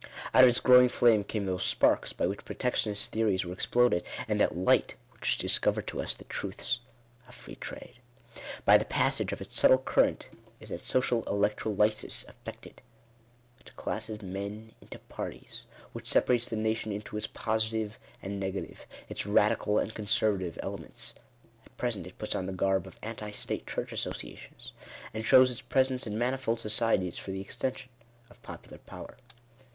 Out of its growing flame came those sparks by which Protectionist theories were exploded, and that light which discovered to us the truths of Free trade. By the pas sage of its subtle current is that social electrolysis effected, which classes men into parties — which separates the nation into its positive and negative — its radical and conservative elements. At present it puts on the garb of Anti State Church Associations, and shows its presence in manifold societies for the extension of popular power.